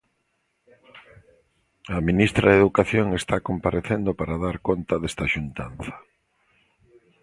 A ministra de Educación está comparecendo para dar conta desta xuntanza.